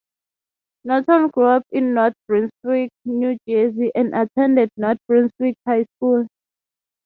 Norton grew up in North Brunswick, New Jersey, and attended North Brunswick High School.